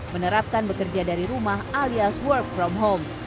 menerapkan bekerja dari rumah alias work from home